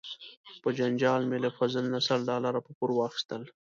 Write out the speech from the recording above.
په جنجال مې له فضل نه سل ډالره په پور واخیستل.